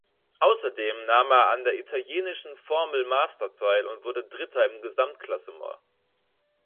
Außerdem nahm er an der italienischen Formel Master teil und wurde Dritter im Gesamtklassement.